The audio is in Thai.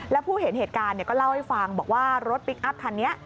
แล้วผู้เห็นเหตุการณ์ก็เล่าให้ฟังบอกว่ารถพลิกอัพคันนี้